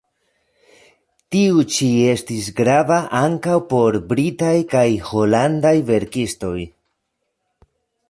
Tiu ĉi estis grava ankaŭ por britaj kaj holandaj verkistoj.